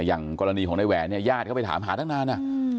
อย่างกรณีของนายแหวนเนี่ยญาติเขาไปถามหาตั้งนาน